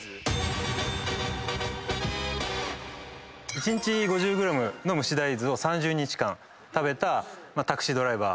１日５０ｇの蒸し大豆を３０日間食べたタクシードライバー。